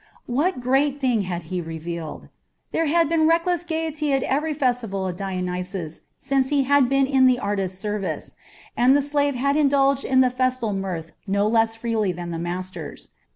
What great thing had he revealed? There had been reckless gaiety at every festival of Dionysus since he had been in the artist's service, and the slaves had indulged in the festal mirth no less freely than the masters.